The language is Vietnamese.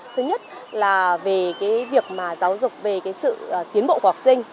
thứ nhất là về việc giáo dục về sự tiến bộ của học sinh